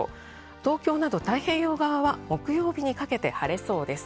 東京など太平洋側は木曜日にかけて晴れそうです。